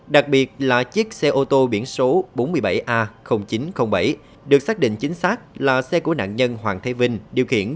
đặc biệt là chiếc xe ô tô biển số bốn mươi bảy a chín trăm linh bảy được xác định chính xác là xe của nạn nghiệp